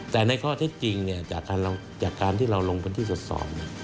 แต่ในข้อเท็จจริงจากการที่เราลงพันธุ์ที่สดสอบ